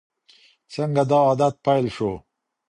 څنګه دا عادت پیل شو؟